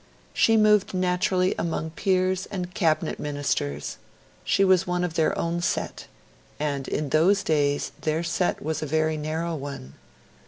She moved naturally among Peers and Cabinet Ministers she was one of their own set; and in those days their set was a very narrow one.